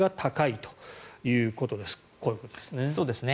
こういうことですね。